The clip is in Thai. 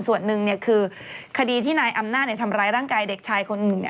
ส่วนหนึ่งคือคดีที่นายอำนาจทำร้ายร่างกายเด็กชายคนหนึ่ง